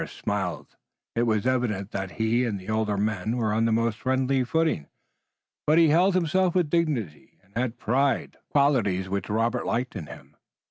"] Charteris smiled. It was evident that he and the older man were on the most friendly footing. But he held himself with dignity and had pride, qualities which Robert liked in him.